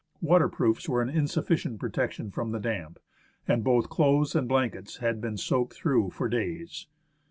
Waterproofs were an insufficient protection from the damp, and both clothes and blankets had been soaked through for days.